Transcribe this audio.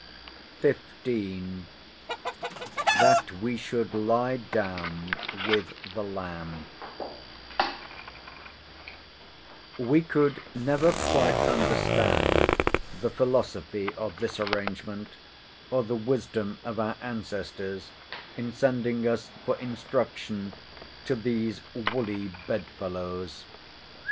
XV.—THAT WE SHOULD LIE DOWN WITH THE LAMB We could never quite understand the philosophy of this arrangement, or the wisdom of our ancestors in sending us for instruction to these woolly bedfellows.